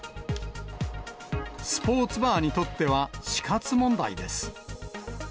スポーツバーにとっては死活問題です。